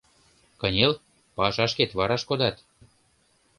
— Кынел, пашашкет вараш кодат.